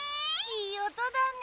いいおとだね。